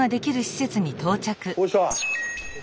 よいしょ。